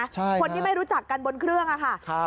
คนที่ไม่รู้จักกันบนเครื่องอะค่ะ